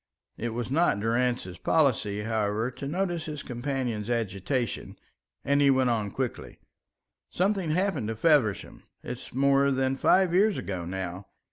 It was not Durrance's policy, however, to notice his companion's agitation, and he went on quickly: "Something happened to Feversham. It's more than five years ago now.